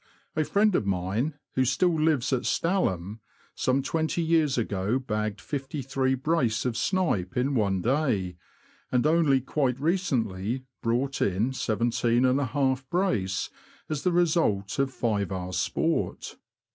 A friend of mine, who still lives at Stalham, some twenty years ago bagged fifty three brace of snipe in one day, and only quite recently brought in seventeen and a half brace as the result of five hours' sport.